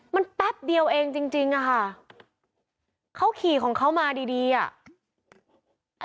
มันแป๊บเดียวเองจริงจริงอะค่ะเขาขี่ของเขามาดีดีอ่ะ